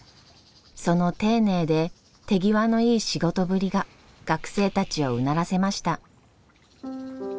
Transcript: その丁寧で手際のいい仕事ぶりが学生たちをうならせました。